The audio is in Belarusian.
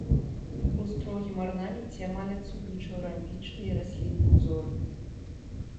У строгім арнаменце амаль адсутнічаў рамбічны і раслінны ўзор.